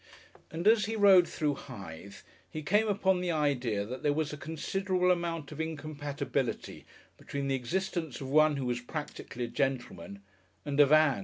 And as he rode through Hythe he came upon the idea that there was a considerable amount of incompatibility between the existence of one who was practically a gentleman and of Ann.